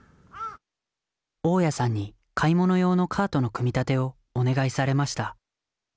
大家さんに買い物用のカートの組み立てをお願いされました